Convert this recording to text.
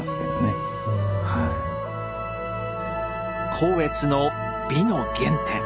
光悦の美の原点。